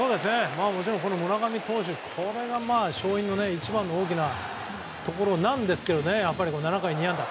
もちろん村上投手、勝因の一番大きなところなんですが７回２安打。